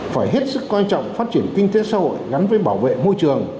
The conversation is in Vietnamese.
phải hết sức coi trọng phát triển kinh tế xã hội gắn với bảo vệ môi trường